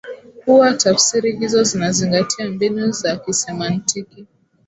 kuwa tafsiri hizo zinazingatia mbinu za kisemantiki